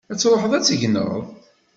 Ad truḥeḍ ad tegneḍ?